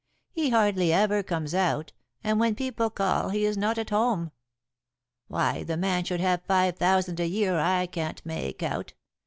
He hardly ever comes out, and when people call he is not at home. Why the man should have five thousand a year I can't make out.